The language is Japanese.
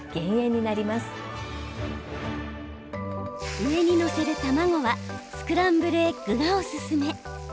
上に載せる卵はスクランブルエッグがおすすめ。